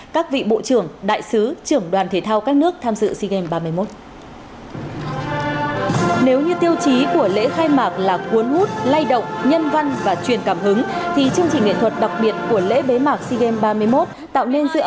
các vị bộ trưởng đại sứ trưởng đoàn thể thao các nước tham dự sea games ba mươi một